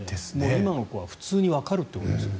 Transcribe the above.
今の子は普通にわかるということですね。